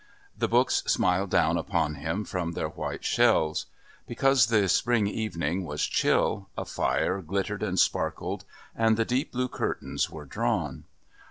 The books smiled down upon him from their white shelves; because the spring evening was chill a fire glittered and sparkled and the deep blue curtains were drawn.